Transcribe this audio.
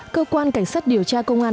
cơ quan cảnh sát điều tra công an